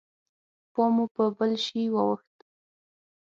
پام مو په بل شي واوښت.